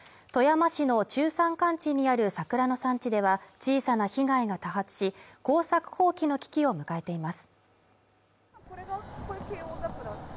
富山市の中山間地にある桜の産地では小さな被害が多発し耕作放棄の危機を迎えています